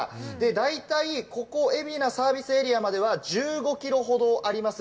大体ここ、海老名サービスエリアまでは１５キロほどあります。